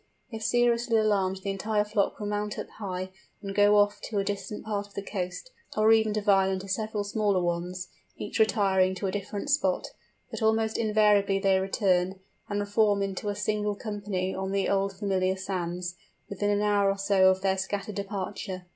If seriously alarmed the entire flock will mount up high, and go off to a distant part of the coast, or even divide into several smaller ones, each retiring to a different spot; but almost invariably they return, and reform into a single company on the old familiar sands, within a hour or so of their scattered departure.